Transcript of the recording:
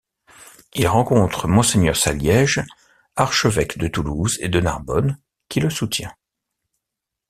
Il rencontre Mgr Saliège, archevêque de Toulouse et de Narbonne, qui le soutient.